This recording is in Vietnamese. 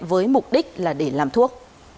với mục đích là để làm thuốc